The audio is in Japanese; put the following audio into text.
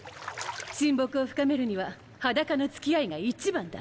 親睦を深めるには裸の付き合いが一番だ。